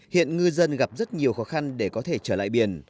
hiện ngư dân gặp rất nhiều khó khăn để có thể trở lại biển